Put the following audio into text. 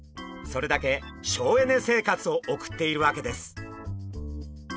それだけ省エネ生活を送っているわけです。